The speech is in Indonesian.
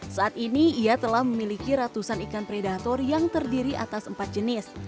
saat ini ia telah memiliki ratusan ikan predator yang terdiri atas empat jenis